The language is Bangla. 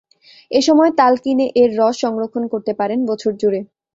এ সময় তাল কিনে এর রস সংরক্ষণ করতে পারেন বছরজুড়ে।